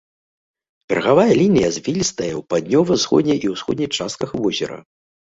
Берагавая лінія звілістая ў паўднёва-ўсходняй і ўсходняй частках возера.